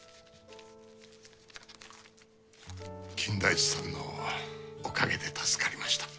金田一さんのおかげで助かりました。